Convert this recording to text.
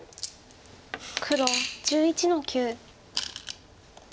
黒１１の九。